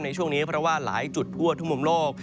ในช่วงนี้เพราะว่าหลายจุดทั่วทุกมุมโลก